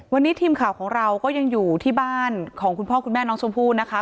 วันนี้ทีมข่าวของเราก็ยังอยู่ที่บ้านของคุณพ่อคุณแม่น้องชมพู่นะคะ